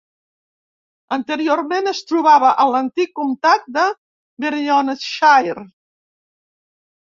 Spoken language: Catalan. Anteriorment, es trobava a l'antic comtat de Merionethshire.